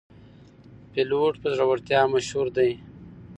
پیلوټ په زړورتیا مشهور دی.